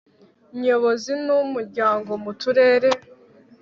nyobozi y umuryango mu turere